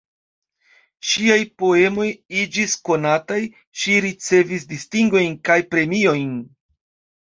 Ŝiaj poemoj iĝis konataj, ŝi ricevis distingojn kaj premiojn.